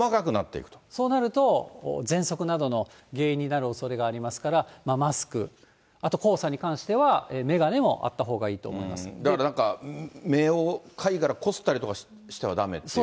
そうなるとぜんそくなどの原因になるおそれがありますから、マスク、あと黄砂に関しては眼鏡だからなんか、目を、かゆいからこすったりとかしてはだめってこと？